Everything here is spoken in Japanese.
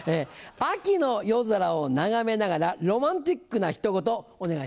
「秋の夜空を眺めながらロマンチックなひと言」お願いします。